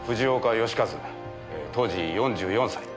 当時４４歳。